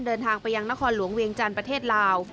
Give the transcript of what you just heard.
เดินทางไปยังนครหลวงเวียงจันทร์ประเทศลาว